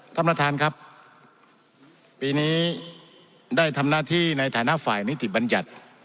ท่านประธานครับปีนี้ได้ทำหน้าที่ในฐานะฝ่ายนิติบัญญัติ